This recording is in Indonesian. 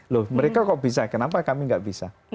loh mereka kok bisa kenapa kami nggak bisa